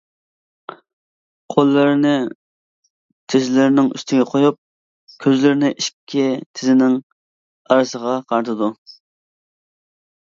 قوللىرىنى تىزلىرىنىڭ ئۈستىگە قويۇپ، كۆزلىرىنى ئىككى تىزىنىڭ ئارىسىغا قارىتىدۇ.